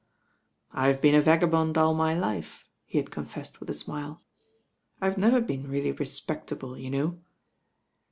"I've been a vagabond all my life," he had con fessed with a smile. "I've never been really re spectable, you know."